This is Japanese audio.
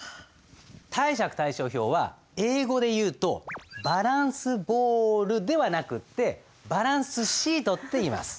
貸借対照表は英語でいうとバランスボールではなくてバランスシートっていいます。